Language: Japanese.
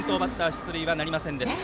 出塁はなりませんでした。